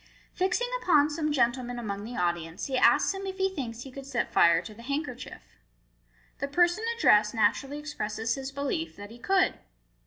Fixing upon some gentleman among the audience: he asks him if he thinks he could set fire to the handkerchief. The person addressed naturally expresses his belief that he could.